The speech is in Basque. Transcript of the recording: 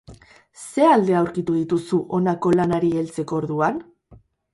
Zer alde aurkitu dituzu honako lanari heltzeko orduan?